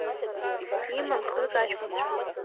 Иман хҩык аҷкәынцәа…